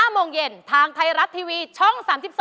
๕โมงเย็น